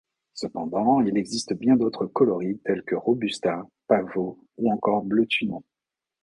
Cependant, il existe bien d'autres coloris tels que robusta, pavot ou encore bleu tunon.